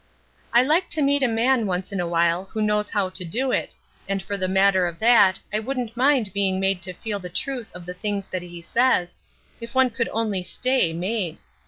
"I like to meet a man once in a while who knows how to do it, and for the matter of that I wouldn't mind being made to feel the truth of the things that he says, if one could only stay made.